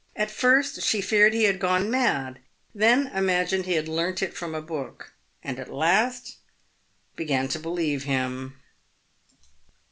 At first she feared he had gone mad ; then imagined he had learnt it from a book; and, at last, began to believe him.